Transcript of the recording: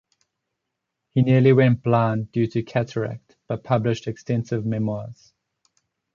He nearly went blind due to cataract but published extensive memoirs.